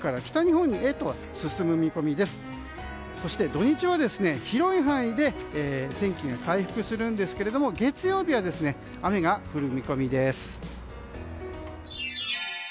土日は広い範囲で天気回復するんですけれども月曜日は雨が降る見込みです。